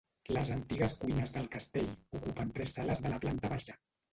Les antigues cuines del castell ocupen tres sales de la planta baixa.